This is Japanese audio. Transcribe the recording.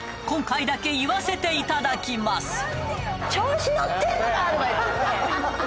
今回だけ言わせていただきます